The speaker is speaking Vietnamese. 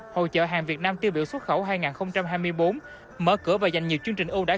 hội chợ hàng việt nam tiêu biểu xuất khẩu hai nghìn hai mươi bốn mở cửa và dành nhiều chương trình ưu đãi